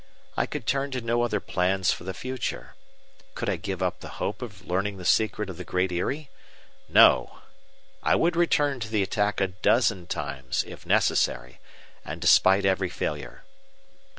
I could turn to no other plans for the future. Could I give up the hope of learning the secret of the Great Eyrie? No! I would return to the attack a dozen times if necessary, and despite every failure.